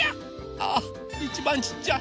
ああいちばんちっちゃい。